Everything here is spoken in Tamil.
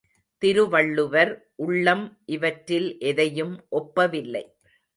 திருவள்ளுவர் உள்ளம் இவற்றில் எதையும் ஒப்பவில்லை.